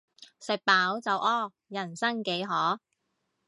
食飽就屙，人生幾何